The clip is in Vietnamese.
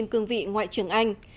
cương vị ngoại trưởng anh